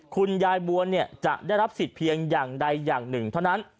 คุณยายบวนจะได้รับสิทธิ์เพียงอย่างใดอย่างหนึ่งเท่านั้น